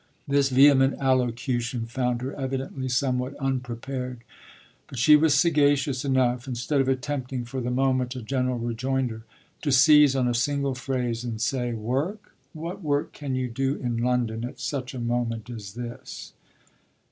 This vehement allocution found her evidently somewhat unprepared; but she was sagacious enough, instead of attempting for the moment a general rejoinder, to seize on a single phrase and say: "Work? What work can you do in London at such a moment as this?"